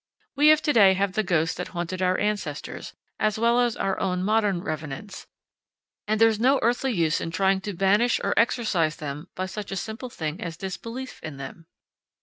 We of to day have the ghosts that haunted our ancestors, as well as our own modern revenants, and there's no earthly use trying to banish or exorcise them by such a simple thing as disbelief in them.